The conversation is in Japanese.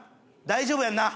大丈夫やんな？